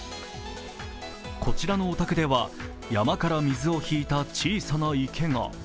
こちらのお宅では山から水を引いた小さな池が。